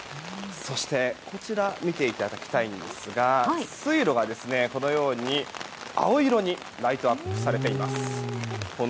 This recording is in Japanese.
そして、こちら見ていただきたいんですが水路が、青色にライトアップされています。